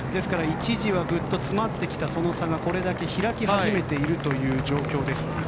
一時はグッと詰まってきたその差がこれだけ開き始めているという状況です。